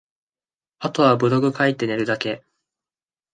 後はブログ書いて寝るだけ